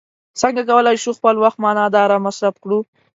څنګه کولی شو خپل وخت معنا داره مصرف کړو.